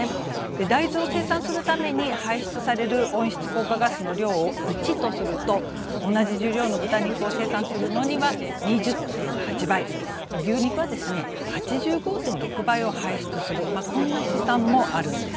大豆を生産するために排出される温室効果ガスの量を１とすると同じ重量の豚肉を生産するのには２０．８倍牛肉は８５．６倍を排出するこんな試算もあるんです。